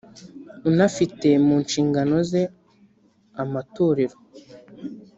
unafite mu nshingano ze Amotorero